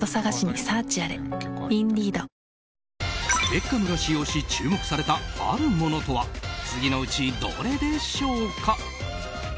ベッカムが使用し注目されたあるものとは次のうちどれでしょうか？